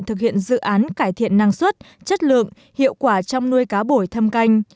thực hiện dự án cải thiện năng suất chất lượng hiệu quả trong nuôi cá bổi thâm canh